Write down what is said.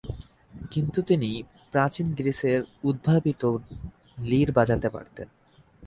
কিন্তু তিনি প্রাচীন গ্রীসের উদ্ভাবিত লির বাজাতে পারতেন।